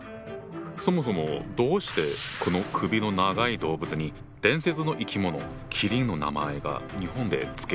そもそもどうしてこの首の長い動物に伝説の生き物麒麟の名前が日本で付けられたんだ？